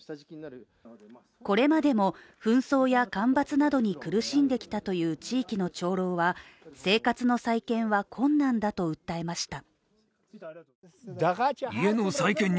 これまでも紛争や干ばつなどに苦しんできたという地域の長老は、生活の再建は困難だと訴えました。